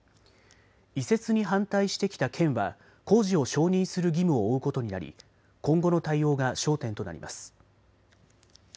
移設に反対してきた県は工事を承認する義務を負うことになり今後の対応が焦点となります。